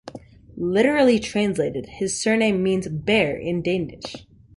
Literally translated, his surname means "bear" in Danish.